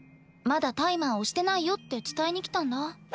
まだタイマー押してないよって伝えに来たんだ。